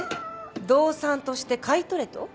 動産として買い取れと？